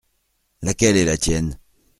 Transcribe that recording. Laquelle est la tienne ?